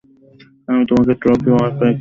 আমি তোকে trophy wife হিসেবে কল্পনা করেছি।